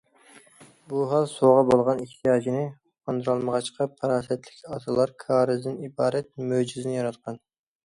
بۇ ھال سۇغا بولغان ئېھتىياجنى قاندۇرالمىغاچقا، پاراسەتلىك ئاتىلار كارىزدىن ئىبارەت مۆجىزىنى ياراتقان.